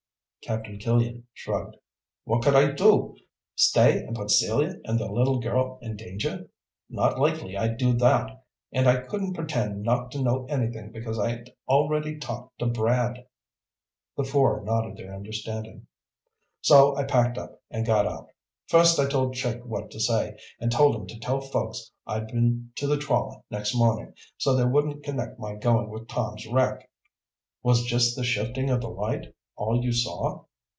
Captain Killian shrugged. "What could I do? Stay and put Celia and their little girl in danger? Not likely I'd do that! And I couldn't pretend not to know anything because I'd already talked to Brad." The four nodded their understanding. "So I packed up and got out. First I told Chick what to say, and told him to tell folks I'd been to the trawler next morning so they wouldn't connect my going with Tom's wreck." "Was just the shifting of the light all you saw?"